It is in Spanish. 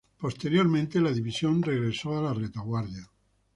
Posteriormente la división regresó a la retaguardia.